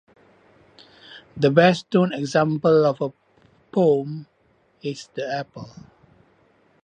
The best-known example of a pome is the apple.